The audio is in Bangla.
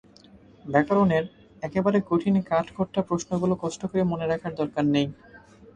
ব্যাকরণের একেবারে কঠিন কাটখোট্টা প্রশ্নগুলো কষ্ট করে মনে রাখার দরকার নেই।